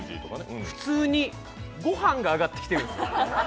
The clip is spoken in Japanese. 普通に御飯が上がってきてるんです。